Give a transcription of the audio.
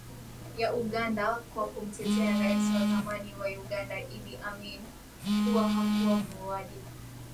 ya Uganda kwa kumtetea rais wa zamani wa Uganda Idi Amin kuwa hakuwa muuaji